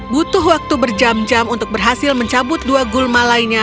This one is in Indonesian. butuh waktu berjam jam untuk berhasil mencabut dua gulma lainnya